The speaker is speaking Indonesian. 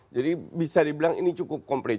jadi bisa dibilang ini cukup komplainya